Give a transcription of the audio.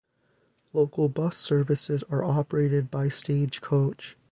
Local bus services are operated by Stagecoach.